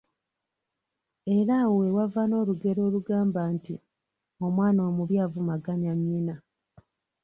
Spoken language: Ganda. Era awo we wava n’olugero olugamba nti, “Omwana omubi avumaganya nnyina.”